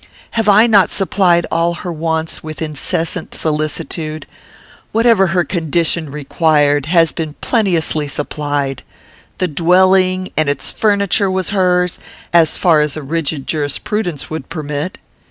Have I not supplied all her wants with incessant solicitude? Whatever her condition required has been plenteously supplied. The dwelling and its furniture was hers, as far a rigid jurisprudence would permit.